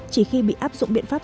chỉ khi bị áp dụng biện pháp